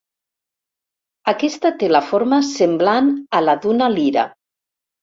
Aquesta té la forma semblant a la d'una lira.